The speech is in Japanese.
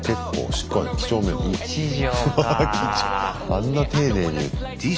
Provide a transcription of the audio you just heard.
あんな丁寧に。